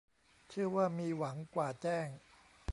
เชื่อว่ามีหวังกว่าแจ้ง